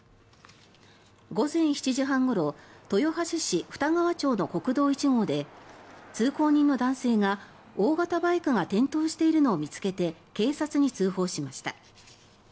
午前７時半ごろ豊橋市二川町の国道１号で通行人の男性が大型バイクが転倒しているのを見つけて警察に通報しました。